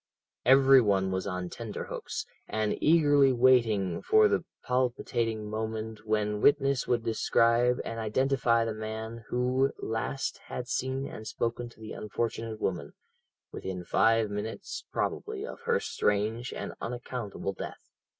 "Every one was on tenter hooks, and eagerly waiting for the palpitating moment when witness would describe and identify the man who last had seen and spoken to the unfortunate woman, within five minutes probably of her strange and unaccountable death.